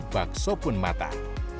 bakso pun matah